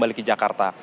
balik ke jakarta